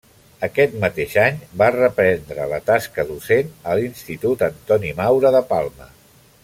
Aquest mateix any, va reprendre la tasca docent a l'institut Antoni Maura de Palma.